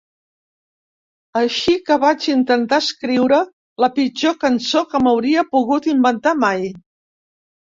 Així que vaig intentar escriure la pitjor cançó que m'hauria pogut inventar mai.